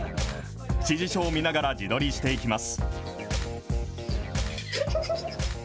指示書を見ながら自撮りしていきます。